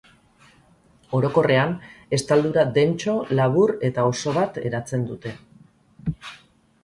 Orokorrean estaldura dentso, labur eta oso bat eratzen dute.